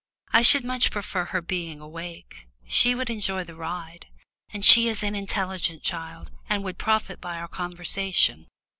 "I should much prefer her being awake. She would enjoy the ride, and she is an intelligent child and would profit by our conversation."